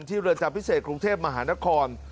ที่รืนจับพิเศษกรุงเทพมหานคร